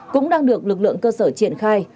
cũng đang được lực lượng cơ sở triển khai